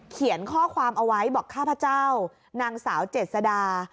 เขียนข้อความเอาไว้บอกข้าพเจ้านางสาวเจษดา